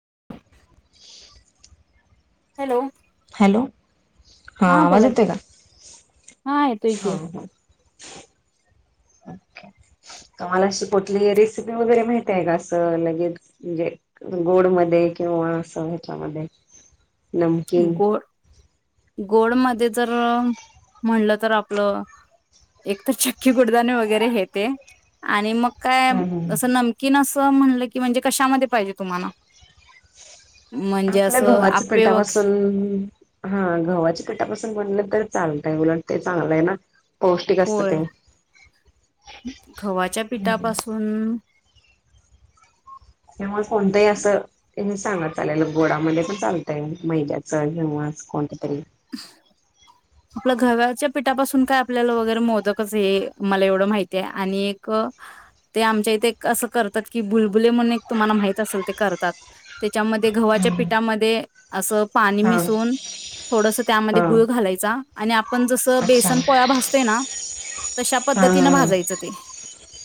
[unintelligible] Hello hello हा आवाज बोला येतो की का? हा येतोय की हो हो [unintelligible] तुम्हांला अशी कुठली रेसिपी वगैरे माहतीय का अस लगेचे म्हणजे गोड मध्ये किंवा अस ह्याच्यामध्ये? नमकीन गोड गोड मध्ये जर म्हणलं तर आपलं एक तर चक्की गुडदाणे वगैरे हेेते आणि मग काय म असं नमकीन अस म्हणलं की म्हणजे कशामध्ये पाहिजे तुम्हाला? म्हणजे असं आप्पे व पण हा गव्हाची पिठा पासून बनल तर चालतय उलट ते चांगलं आहे ना पौष्टिक असतं होय ते. गव्हाच्या पिठापासून त्यामुळे कोणत ही अस [inaudible] चांगल चालेल गोडामध्ये पण चालतंय मैद्याचं किंवा कोणत तरी आपलं गव्हाच्या पिठापासून काय आपल्याला वगैरे मोदकच हे मला एवढं माहिती आहे आणि एक ते आमच्या इथे असं करतात कि बुलबुले म्हणून एक तुम्हाला माहित असेल ते करतात त्याच्यामध्ये गव्हाच्या हा पीठामध्ये असं पाणी मिसून, थोडस त्यामध्ये हा गुळ घालायचा. आणि आप आपण जस अच्छा बेसन हा पोळ्या भाजतोय ना तशा हा पद्धतीन हा भाजायच ते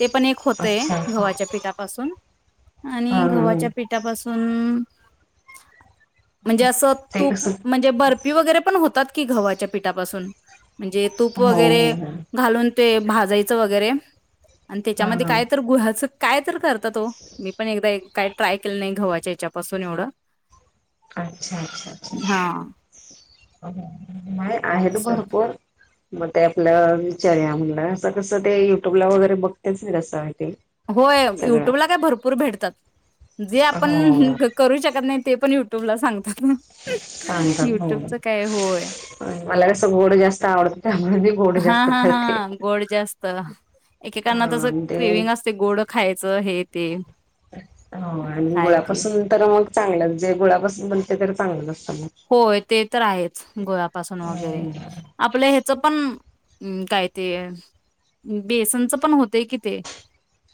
ते पण एक होतय अच्छा हा गव्हाच्या पिठापासून हा आणि हा गव्हाच्या पेठापासून म्हणजे अस ते तूप, कसं म्हणजे बर अप्पि वगैरे पण होतात की गव्हाच्या पिठापासून. म्हणजे तूप हो हो वगैरे, हो घालून. ते भाजायच वगैरे. आणि हा त्याच्यामध्ये हा काय तर गुहाच काय तर करतात ओ, मी पण एकदा काय एक काई ट्राय केलं नाही घव्हाच्या हच्यापासून एवढं. अच्छा अच्छा हा अच्छा नाही आहेत असं आहे. भरपूर मग ते आपल विचार या म्हणलं असं कसं ते युट्यूबला वगैरे बघतेच की रसायन होय युट्यूबला काय भरपूर भेटतात, जे आपण हो करू शकत नाही ते पण युटू ट्यूब सांग सांगतात हो. काय होय मला कस गोड जास्त आवडत त्यामध्ये हा हा हा गोड जास्त. एकेकांना तस हा ते क्रेविंग असतय गोड खायचं. च हे ते हो आणि हाय ते गुळापासून तर मग चांगलंच जे गुळापासून बणते तर चांगलंच असत. होय ते तर आहेच. गुळापासून वगैरे हम्म आपलं ह्याच पण हम् काय ते बेसनच पण होतंय की ते.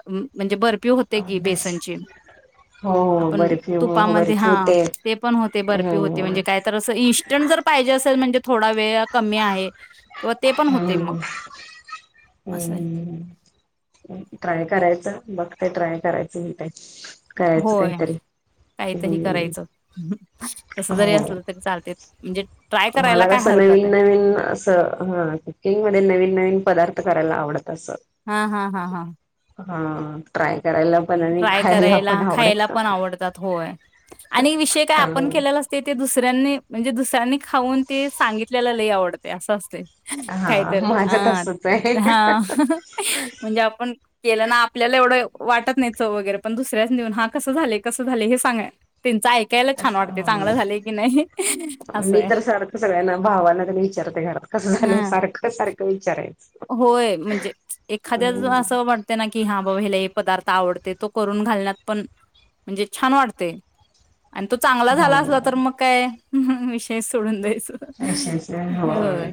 म्हणजे बर्फ बर्फी होते की बेसनची हो हो आपण बर्फी हो हो तुपामध्ये बर्फी हा होते ते पण होते बर्फी होते ते हम्म म्हणजे काय तर अस इन्स्टंट जर पाहिजे असेल म्हणजे थोडा वेळ कमी आहे ते पण होते मग हम असं हम ट्राय करायचं बघते ट्राय करायचं हो ते होय काहीतरी करायचं. तस जरी हो असलं तरी चालतंय. म्हणजे ट्राय करायला मला काय कस हरकत नवीन, आहे नवीन अस ह कुकिंगमध्ये नवीन, नवीन पदार्थ करायला आवडत असतात. हा, हा, हा, हा. हा ट्राय करायला पण आणि ट्राय खायला पण करायला, खायला आवडत पण आवडतात होय आणि विषय काय हा आपण केलेला असतंय ते दुसऱ्यांनी म्हणजे दुसऱ्यांनी खाऊन ते सांगितलेल लई आवडतंय असं असतंय. काही हा तर माझं हा, तसच आहे हा. म्हणजे आपण केलं ना आपल्याला एवढं वाटत नाही चव वगैर पण दुऱ्याच नेऊन हा कसं झालंय, कसं झालंय हे सांगय नाही असं मी आहे तर सारखं सगळ्यांना, भावांना तेन विचारते घरात कसं झालंय? हा सारखं, सारखं विचाराय होय म्हणजे एखाद्याच असं हम्म वाटतंय ना की, हा बाबा हेला हे पदार्थ आवडतंय. तो करून घालण्यात पण म्हणजे छान वाटते. आणि तो चांगला हो झाला असला तर मग काय विषयच सोडून द्यायचं. कशा हायसा? होय.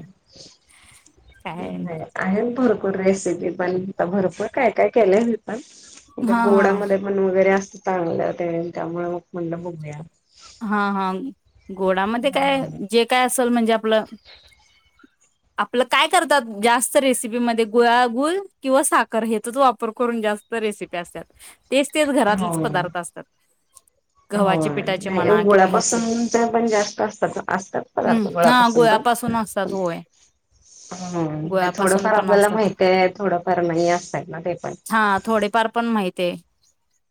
काय आहेत भरपूर रेसिपी, पण आता भरपूर काय काय केलंय हा हा गोडामध्ये पण वगैरे असं चांगलं येतय त्यामुळे म्हंटलं मग बघूया. हा हा. गोडामध्ये काय जे काय असेल म्हणजे आपलं आपलं काय करतात जास्त रेसिपीमध्ये गुळागुळ किंवा साखर हेचाच वापर करून जास्त रेसिपी असत्यात. तेच, तेच हो घरातलेच पदार्थ असतात. गव्हाचे होय पिठाचे नाही ओ म्हणा किंवा ह्याचे गुळापासून यक्ष पण जास्त असतात असतात हम्म हा गुळापासून पण. असतात होय. हं नाही गुळापासून थोडंफार पण आपल्याला असतात. माहती आहे, थोडफार नाही असं हाय ना ते पण. ही ते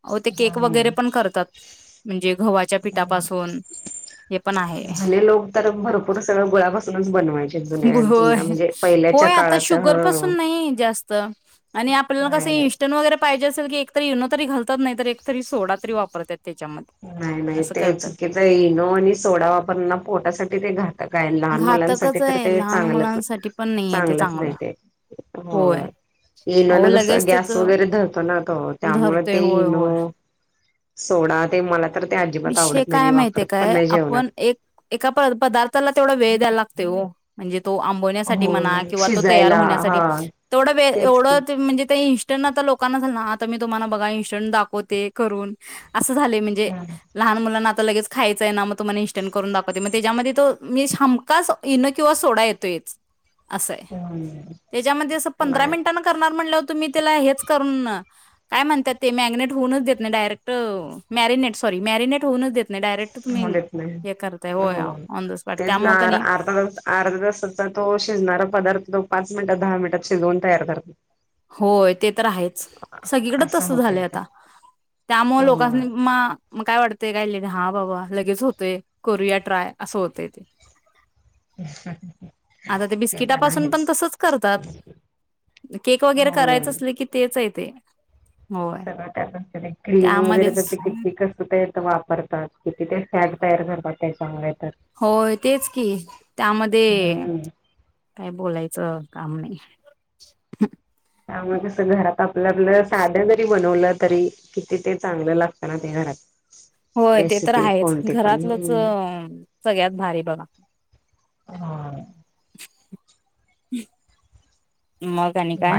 अहो ते केक वगैरे हम्म पण करतात म्हणजे गव्हाच्या हं. पिठापासून हे पण आहे झाले लोक तर भरपूर सगळं गुळापासूनच बन होय. होय आता काळात ह शुगरपासून नाही जास्त आणि आपल्याला कस नाही नाही इंस्टंट वगैरे पाहिजे असेल की एकतरी ईनो तरी घालतात नाही तर एक तरी सोडा तरी वापरतात. त्याच्यामध्ये नाही, नाही असं ते करतात चुकीच इनो आणि सोडा वापरन ना पोटासाठी ते घात क हाय आणि लहान मुलांसाठी घातकच तर आहे ते लहान चांगलंच मुलांसाठी पण नाहीये ते चांगलंच चांगलं नाही ते. होय इनो अहो ना जस लगेच त्याच गॅस वगैरे धरतो ना तो त्यामुळे धरतय ते होय इनो होय सोडा ते मला तर ते अजिबात विषय आवडत नाही काय मी माहती आहे वापरत पण काय नाही जेवणात. आपण एक एका प पदार्थाला तेवढा वेळ द्यायला लागतो ते म्हणजे आंबण्या साठी म्हणा होय. किंवा तो तयार शिजायला होण्यासाठी हा ते तेच एवढ की म्हणजे ते लोकांना झा ना मी तुम्हाला बघा इंटनट दाखवते करून असं झाले म्हणजे हमखास इनो किंवा सोडा येतोयच असंय हम्म त्याच्यामध्ये असं पंधरा नाही मिनिटांना करणार म्हटलं तुम्ही त्याला हेच करून, काय म्हणत्यात ते म्येगणेट होऊनच देत नाही डायरेक्ट म्यारीनेट सॉरी मॅरिनेट होउनच देत नाही डायरेक्ट तुम्ही होऊ देत नाही. हे करताय होय हो ऑन द स्पॉट तेच ना त्यामुळं कणी अर्धा तास अर्धा तासाचा तो शिजणारा पदार्थो तो पाच मिनिटात दहा मिनिटात शिजवून तयार कर होय ते तर आहेच सगळीकडे असं तस होतय झालंय ते आता त्यामुळे हो लोकांसनी मा म काय वाटतेय काय ले हा बाबा लगेच होतय करूया ट्राय असं होतय ते. आता ते पण बिस्किटापासून आहेच. तसंच करतात केक वगैरे हो करायचं असले की तेच आहेत. ते. होय सगळं त्यातच केले्ये क्रीम वगैरे त्यामध्येच तर ते किती कसत तयार करतात किती ते सॅड तयार करतात ते सांगाय होय तेच की त्यामध्ये हम्म काय बोलाय च काम नाही. त्यामुळेस घरात आपलं आपलं साध जरी बनवलं तरी किती ते चांगलं लागतं ना ते घरात. होय ते तर रेसिपी आहेच कोणती पण घरातलंच सगळ्यात भारी बघा. हा. ह. मगा आंनी काय?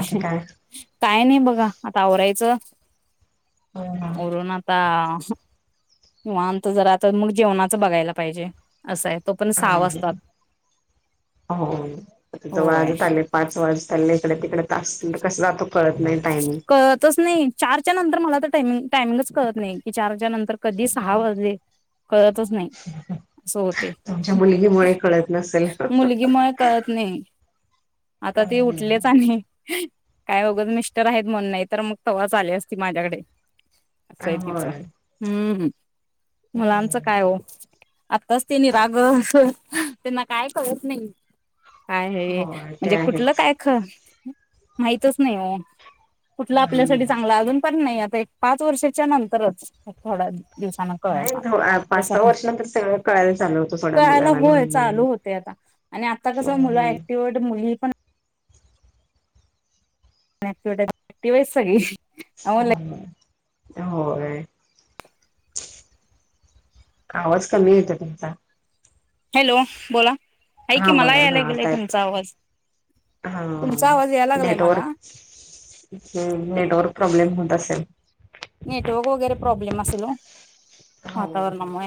काय नाही बघा आता आवरायचं. आवरून आंता ह. किंवा आमचं जरा आंता मग जेवणाच बघायला पाहिजे असंय ह हो हो किती आज होय आले पाच वाजत आले. तिकडे कासलं कसलं आप [inaudible] कळतच नाही चारच्या नंतर मला तर टायमिंगच कळतं नाही की चारच्या नंत तर कधी सहा वाजले कळतच नाही अस होते तुमच्या मुलगीमुळे कळत नसेल मुलगीमुळे कळत नाही अ आता ते उठलेच आणि काय उगच मिश स्टर आहेत म्हणून नाही तर मग तवाच आली असती माझ्याकडे असय तीच होय हम्म ह मुलांचं काय हो आताच तेनी राग त्यांना काय कळत नाही. काय हे होय ते म्हणजे कुठलं आहेच काय ख माहितच नाही हो. कुठला आपल्यासाठी हम्म चांगला अजून पण नाही आ एक पाच वर्षाच्या नंतरच थोडा दिवसान नाही कळणार, पाच कसं सहा पण वर्षानंतर सगळं कळायला चालू होतं सोडा कळायला मुलांना लहान होय चालू मुलांना होते आता आणि आता कस मुलं हम्म ऍक्टिव आहेत मुली पण ऍक्टिवेट ऍक्टिव्ह हायत सगळी. राम राम. होय. आवाज कमी येतं तुमचा. हॅलो बोला. आहे हा की मला बोला हा यायला गेलाय आता येत तुमचा आवाज हा तुमचा आवाज यायला लागलाय मला नेटवर्क हम्म नेटवर्क प्रॉब्लेम होत असेल. नेटवर्क वगैरे प्रॉब्लेम असेल ओ. हो हो. वातावरणामुळे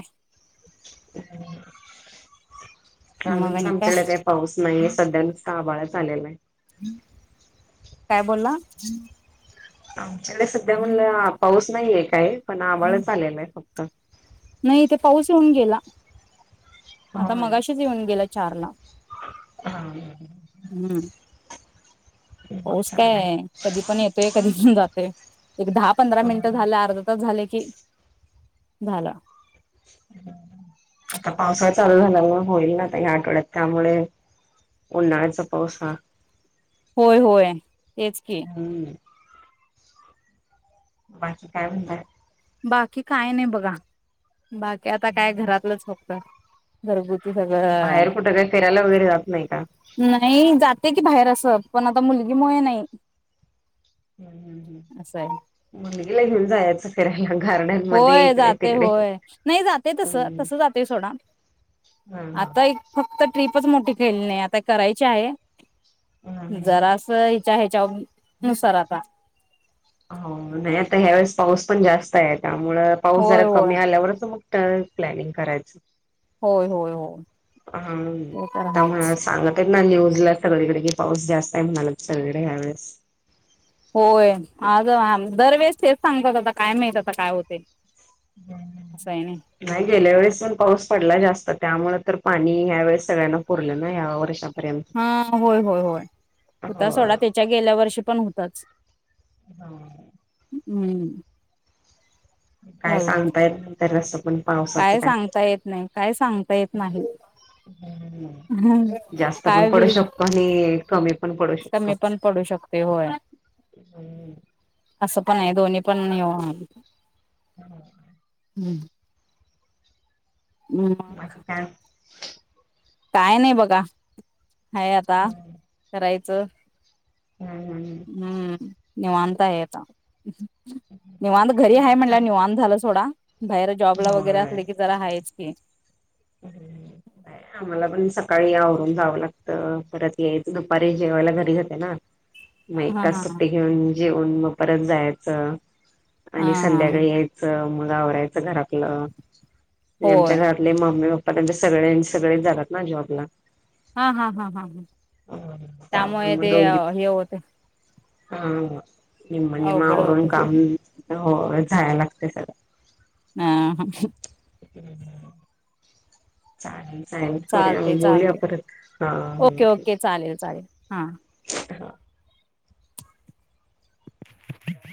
मग अजून तर आणि काय आमच्याडे काही पाऊस नाहीये सध्या नुसता अभाळच झालेलं आहे. काय बोलला? [inaudible] [unintelligible] सध्या म्हणलं पाऊस नाहीय. काय? पण आभाळच आलेलं आहे फक् का? नाही इथे पाऊस येऊन गेला. आता होय मगाशीच येऊन गेला चार ला हा हम्म. पाऊस चालय काय कधी पण येतोय, कधी पण जातोय. एक दहा पंधरा मिनिटं झालं, अर्धा तास झाले की झाला. आता पावसाळा चालू झाल्या मुळे होईना आता या आठवड्यात, त्यामुळे उन्हाळ्याचा पाऊस हा होय होय तेच की. हम्म बाकी काय म्हणताय? बाकी काय नाही बघा. बाकी आता काय घरातलंच फक्त. घरगुती सगळं बाहेर कुठे काय फिरायला वगैरे जात नाही का? ते की बाहेर असं पण आता मुलगी मुळे नाही. हम् हम् ह असं आहे मुलगीला घेऊन जायचं फिर [unintelligible] होय जातय होय नाही जातय तस तस जातय सोडा हा हा आता एक फक्त ट्रीप खूपच मोठी खेळणी आहे आता करायची आहे. जरास ई त्या हेच्या नुसार आता हो नाही आता ह्या वेळेस पाऊस पण जास्त आये त्यामुळ पाऊस जरा होय होय कमी आल्यावरच मग. तर प्लॅनिंग करायचं. होय होय होय हा ते तर त्यामु आहेच [unintelligible] सांगत. नाहीय ओ उडला सगळीकडे कि पाऊस जास्त आहे म्हणाल्यात सगळीकडे ह्या वेेळेस होय. आग आम दरवेळेस तेच सांगतात आता काय माहीत आता काय होतय. हम नाही गेल्या वेळेस पण पाऊस पडलाय जास्त त्यामुळे तर पाणी ह्या वेळेस सगळ्यांना पुरलं ना या वर्षात हा होय होय होय हूता हो सोडा हो. त्याच्या गेल्या वर्षी पण हूताच हा. हम्म. काय चालेल सांगतायेत तर अस पण. काय सांगता येत नाही काय सांगता येत नाही हं हं जास्त पण काय पडू हुईल शकतो आणि कमी पण पडू शकतो. कमी पण पडू शकते होय असं पण आहे दोन्ही पण निवांत हम. हम. बाकी काय? काय नाई बगा हाय आता काराय [unintelligible] हम्म. निवांतय आता. [unintelligible] निवांध घरी हाय म्हणल्या, निवांध झाल सोडा. बाहेर जॉबला वगैरे होय. असले की जरा आहेच. [unintelligible] आम्हाला पण सकाळी आवरून जावं लागत, परत यायच दुपारी जेवायला घरी जाते ना. मग हा एक हा तास हा सुट्टी घेऊन जेऊन मग परत जायाचं. हा आणि हा संध्याकाळी यायचं मग- मग आवरायचं घरात. आणि आमच्या होय घरातले म- मम्मी पप्पा त्यांच्या सगळे सगळेच जातात ना जॉबला. हा हा हा हा हा त्यामुळे मग ते अ दोघी हे होतंय हा निम्म निम्म आवरून होते काम. हो जायला लागते स हा [unintelligible] चालेल करूया चालते बोलूया चालते परत हा ओके ओके चालेल चालेल हा हा. [unintelligible]